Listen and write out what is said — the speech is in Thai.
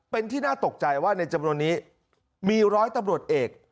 เป็นที่น่าตกใจว่าในจำนวนนี้มีร้อยตำรวจเอก